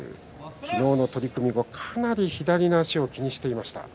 昨日の取組後かなり左の足を気にしていました。